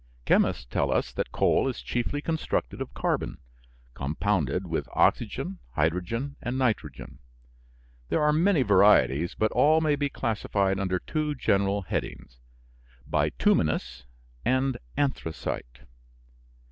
Chemists tell us that coal is chiefly constructed of carbon, compounded with oxygen, hydrogen, and nitrogen. There are many varieties, but all may be classified under two general headings bituminous and anthracite.